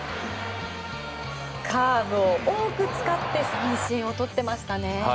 カーブを多く使って三振をとっていましたね。